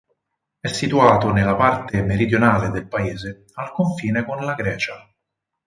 È situato nella parte meridionale del paese al confine con la Grecia.